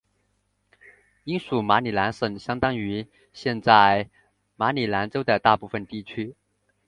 英属马里兰省相当于现在马里兰州的大部分地区。